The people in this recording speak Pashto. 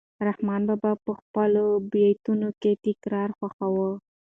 رحمان بابا په خپلو بیتونو کې تکرار خوښاوه.